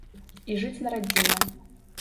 І жыць на радзіме.